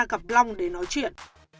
gặp long để nói chuyện